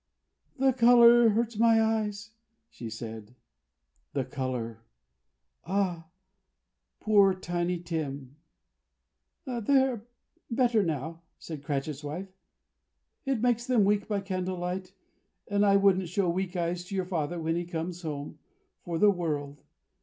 "The color hurts my eyes," she said. The color? Ah, poor Tiny Tim! "They're better now again," said Cratchit's wife. "It makes them weak by candle light; and I wouldn't show weak eyes to your father when he comes home, for the world.